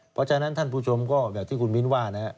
เพราะฉะนั้นท่านผู้ชมก็แบบที่คุณวินว่า